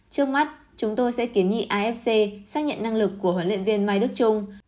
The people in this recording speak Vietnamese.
trước mắt chúng tôi sẽ kiến nghị afc xác nhận năng lực của huấn luyện viên mai đức trung